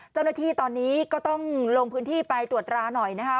เจ้าหน้าที่ตอนนี้ก็ต้องลงพื้นที่ไปตรวจราหน่อยนะคะ